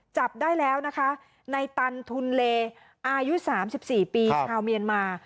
จับได้แล้วนะคะในตันทุนเลอายุ๓๔ปีชาวเมียนมา